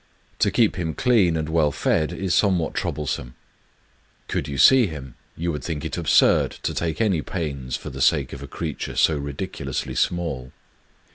... To keep him clean and well fed is some what troublesome : could you see him, you would think it absurd to take any pains for the sake of a creature so ridiculously small.